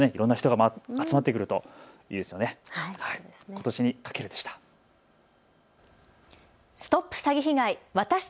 ことしにかけるでした。